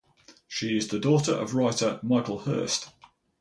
She is the daughter of writer Michael Hirst.